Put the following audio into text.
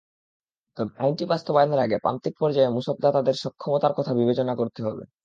তবে আইনটি বাস্তবায়নের আগে প্রান্তিক পর্যায়ের মূসকদাতাদের সক্ষমতার কথা বিবেচনা করতে হবে।